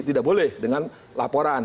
tidak boleh dengan laporan